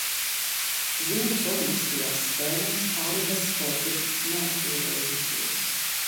Ziemas olimpiskajās spēlēs Arubas sportisti nav piedalījušies.